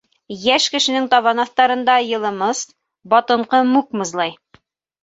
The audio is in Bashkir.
Йәш кешенең табан аҫтарында йылымыс, батынҡы мүк мызлай.